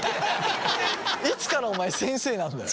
いつからお前先生なんだよ！